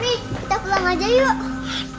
nih kita pulang aja yuk